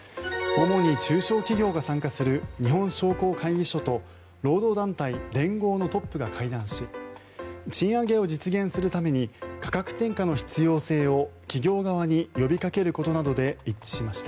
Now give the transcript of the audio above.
主に中小企業が参加する日本商工会議所と労働団体、連合のトップが会談し賃上げを実現するために価格転嫁の必要性を企業側に呼びかけることなどで一致しました。